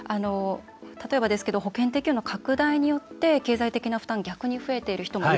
例えばですけど保険適用の拡大によって経済的な負担が逆に増えている人も